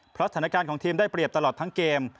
เพราะสถานการณ์ของทีมได้เปรียบตลอดทั้งเกม